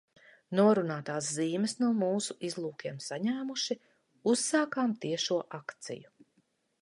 Norunātās zīmes no mūsu izlūkiem saņēmuši, uzsākām tiešo akciju.